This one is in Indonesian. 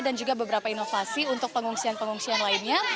dan juga beberapa inovasi untuk pengungsian pengungsian lainnya